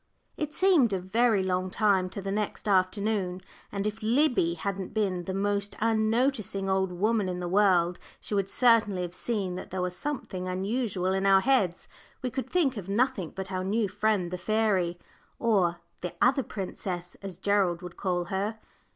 It seemed a very long time to the next afternoon, and if Liddy hadn't been the most unnoticing old woman in the world, she would certainly have seen that there was something unusual in our heads. We could think of nothing but our new friend the fairy, or "the other princess," as Gerald would call her.